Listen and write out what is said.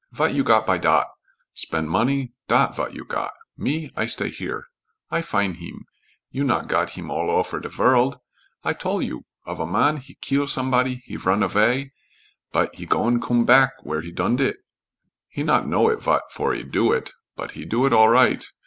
Vat you got by dot? Spen' money dot vot you got. Me, I stay here. I fin' heem; you not got heem all offer de vorld. I tol' you, of a man he keel somebody, he run vay, bot he goin' coom back where he done it. He not know it vot for he do it, bot he do it all right."